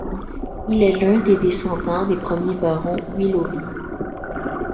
Il est un des descendants des premiers barons Willoughby.